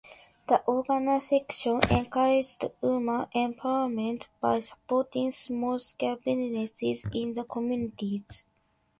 The organisation encouraged women empowerment by supporting small scale businesses in the communities.